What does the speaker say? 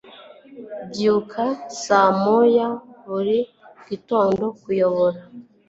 Mbyuka saa moya buri gitondo. (_kuyobora)